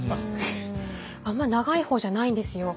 あんま長い方じゃないんですよ。